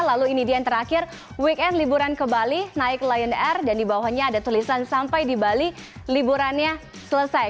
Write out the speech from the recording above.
lalu ini dia yang terakhir weekend liburan ke bali naik lion air dan di bawahnya ada tulisan sampai di bali liburannya selesai